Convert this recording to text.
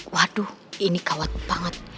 waduh ini kawat banget